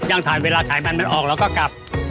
ย่างถาดเวลาถ่ายมันมันออกแล้วก็กลับ